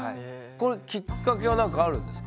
これきっかけは何かあるんですか？